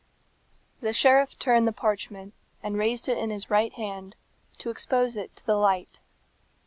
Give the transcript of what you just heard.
'" The sheriff turned the parchment, and raised it in his right hand, to expose it to the light.